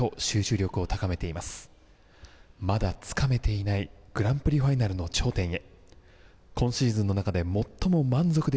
まだつかめていないグランプリファイナルの頂点へ。